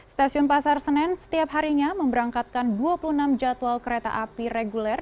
stasiun pasar senen setiap harinya memberangkatkan dua puluh enam jadwal kereta api reguler